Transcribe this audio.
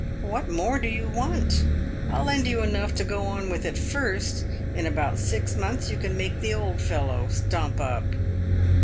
" What more do you want ? I'll lend you enough to go on with at first. In about six months you can make the old fellow stump up."